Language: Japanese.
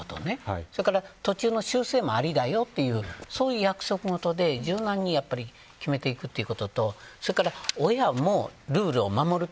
それから途中の修正もありだよとそういう約束事で柔軟に決めていくこととそれから、親もルールを守ると。